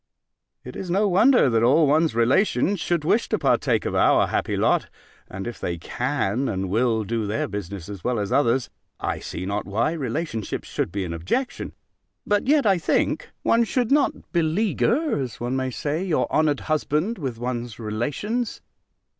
It is no wonder, that all one's relations should wish to partake of our happy lot; and if they can and will do their business as well as others, I see not why relationship should be an objection: but, yet, I think, one should not beleaguer, as one may say, your honoured husband with one's relations.